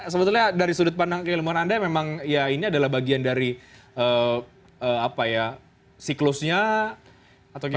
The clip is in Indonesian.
sebetulnya dari sudut pandang ke ilmuwan anda memang ya ini adalah bagian dari apa ya siklusnya atau gimana